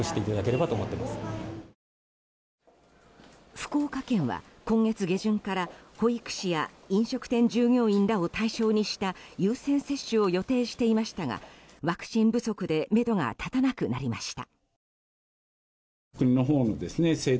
福岡県は、今月下旬から保育士や飲食店従業員らを対象にした優先接種を予定していましたがワクチン不足でめどが立たなくなりました。